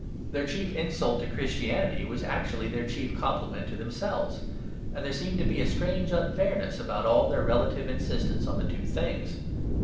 Their chief insult to Christianity was actually their chief compliment to themselves, and there seemed to be a strange unfairness about all their relative insistence on the two things.